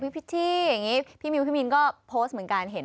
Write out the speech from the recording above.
พิชชี่อย่างนี้พี่มิวพี่มินก็โพสต์เหมือนกันเห็น